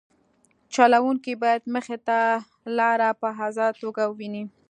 چلوونکی باید مخې ته لاره په ازاده توګه وویني